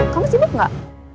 kamu sibuk gak